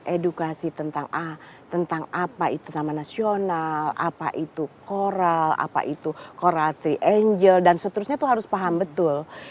edukasi tentang apa itu nama nasional apa itu coral apa itu coral triangle dan seterusnya itu harus paham betul